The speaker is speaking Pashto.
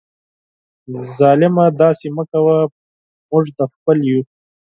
ظالمه داسي مه کوه ، موږ دي خپل یو